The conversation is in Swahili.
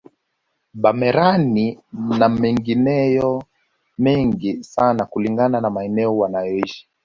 Bamerani na mengineyo mengi sana kulingana na maeneo wanayoishi